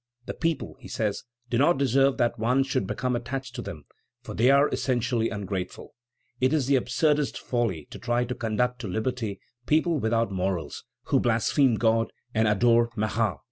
"The people," he says, "do not deserve that one should become attached to them, for they are essentially ungrateful. It is the absurdest folly to try to conduct to liberty people without morals, who blaspheme God and adore Marat.